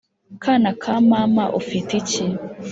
Kana ka mama ufite iki